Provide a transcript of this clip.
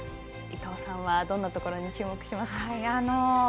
伊藤さんはどんなところに注目しますか？